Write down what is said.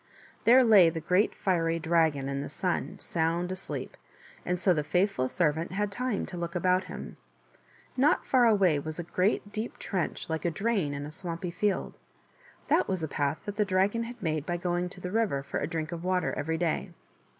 There lay the great fiery dragon in the sun, sound asleep, and so the faithful servant had time to look about him. Not far away was a great deep trench like a drain in a swampy field ; that was a path that the dragon had made by going to the river for a drink of water every day.